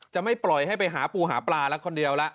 จะไม่ปล่อยให้ไปหาปูหาปลาละคนเดียว